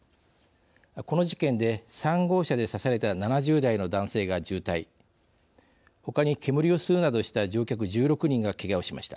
この事件で、３号車で刺された７０代の男性が重体ほかに煙を吸うなどした乗客１６人がけがをしました。